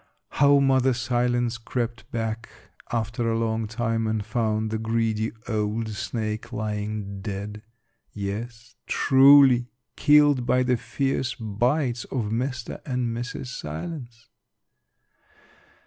How Mother Silence crept back after a long time and found the greedy old snake lying dead. Yes, truly; killed by the fierce bites of Mr. and Mrs. Silence.